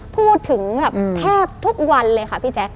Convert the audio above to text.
พูดถึงแบบแทบทุกวันเลยค่ะพี่แจ๊ค